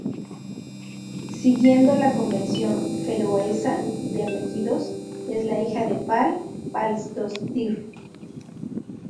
Siguiendo la Convención feroesa de apellidos, es la hija de Páll:"Pálsdóttir".